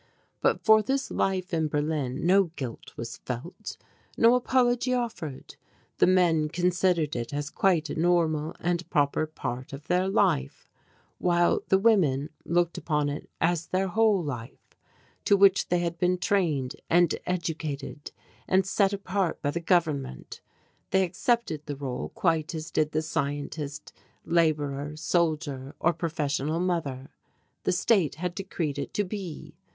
But for this life in Berlin no guilt was felt, no apology offered. The men considered it as quite a normal and proper part of their life, while the women looked upon it as their whole life, to which they had been trained and educated and set apart by the Government; they accepted the rôle quite as did the scientist, labourer, soldier, or professional mother. The state had decreed it to be.